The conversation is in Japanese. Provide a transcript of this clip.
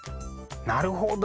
なるほど。